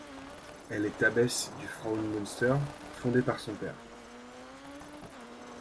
Elle est abbesse du Fraumünster fondé par son père.